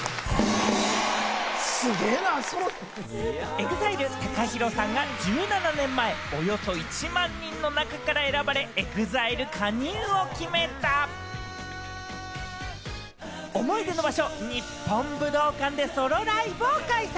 ＥＸＩＬＥＴＡＫＡＨＩＲＯさんが１７年前、およそ１万人の中から選ばれ、ＥＸＩＬＥ加入を決めた、思い出の場所・日本武道館でソロライブを開催。